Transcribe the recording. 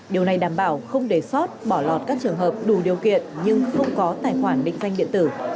điều này đảm bảo không để sót bỏ lọt các trường hợp đủ điều kiện nhưng không có tài khoản định danh điện tử